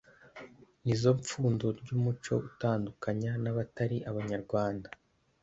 ni zo pfundo ry'umuco udutandukanya n'abatari abanyarwanda.